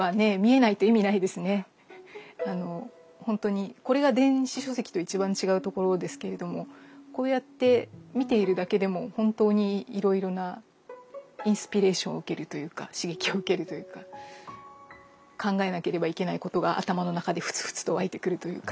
ほんとにこれが電子書籍と一番違うところですけれどもこうやって見ているだけでも本当にいろいろなインスピレーションを受けるというか刺激を受けるというか考えなければいけないことが頭の中でフツフツと湧いてくるというか。